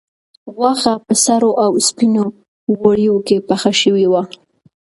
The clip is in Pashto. غوښه په سرو او سپینو غوړیو کې پخه شوې وه.